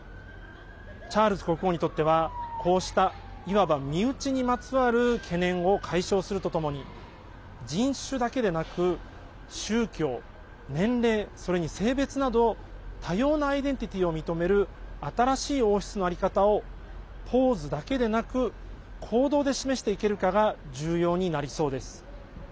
チャールズ国王にとってはこうした、いわば身内にまつわる懸念を解消するとともに人種だけでなく、宗教、年齢それに性別など、多様なアイデンティティーを認める新しい王室の在り方をポーズだけでなく行動で示していけるかが重要になりそうです。